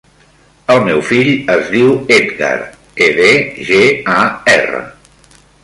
El meu fill es diu Edgar: e, de, ge, a, erra.